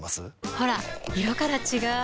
ほら色から違う！